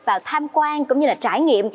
vào tham quan cũng như là trải nghiệm